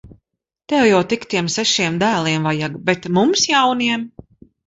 Tev jau tik tiem sešiem dēliem vajag! Bet mums jauniem.